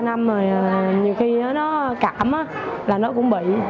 năm rồi nhiều khi nó cảm là nó cũng bị